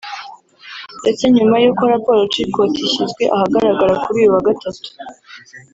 ndetse nyuma y’uko raporo ‘Chilcot’ ishyizwe ahagaragara kuri uyu wa Gatatu